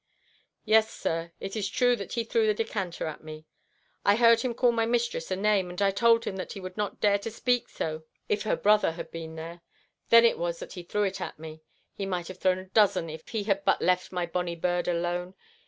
"Yes, sir, it is true that he threw the decanter at me. I heard him call my mistress a name, and I told him that he would not dare to speak so if her brother had been there. Then it was that he threw it at me. He might have thrown a dozen if he had but left my bonny bird alone.